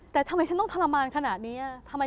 แต่ทำไมฉันต้องทรมานขนาดนี้